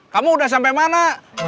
kamu udah sampai mana